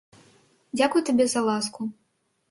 Дзякуй табе за ласку.